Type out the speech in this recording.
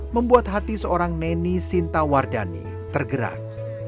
membuat hati seorang neni sintawardani tergerak